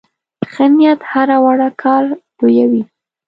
ښه نیت هره وړه کار لویوي.